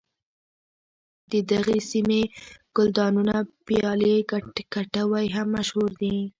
د دغې سیمې ګلدانونه پیالې کټوۍ هم مشهور دي.